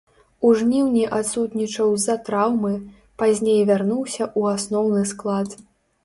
У жніўні адсутнічаў з-за траўмы, пазней вярнуўся ў асноўны склад.